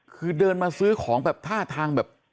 คือเดินมาซื้อของแบบท่าทางแบบ